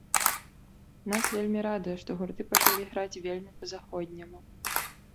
Нас вельмі радуе, што гурты пачалі граць вельмі па-заходняму.